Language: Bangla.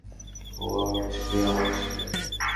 ওম, আমার ছেলে, আমার ছেলে।